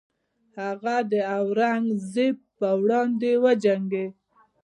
هغه د اورنګزیب پر وړاندې وجنګید.